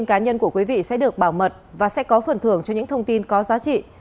một trăm cá nhân của quý vị sẽ được bảo mật và sẽ có phần thưởng cho những thông tin có giá trị